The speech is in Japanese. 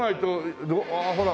ああほら。